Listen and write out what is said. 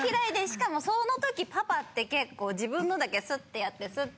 しかもそのときパパって結構自分のだけスッ！とやってスッ！